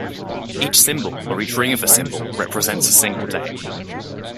Each symbol, or each ring of a symbol, represents a single day.